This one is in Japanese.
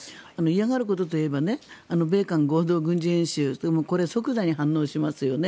嫌がることといえば米韓合同軍事演習これ、即座に反応しますよね。